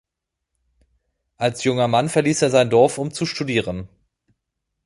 Als junger Mann verließ er sein Dorf, um zu studieren.